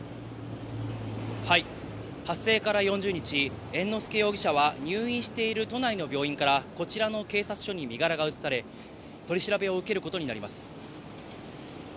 発生から４０日、猿之助容疑者は入院している都内の病院から、こちらの警察署に身柄を移され、取り調べを受けることになります。